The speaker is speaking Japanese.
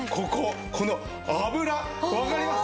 この脂。わかります？